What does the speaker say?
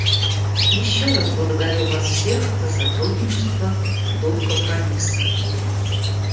Еще раз благодарю вас всех за сотрудничество, дух компромисса.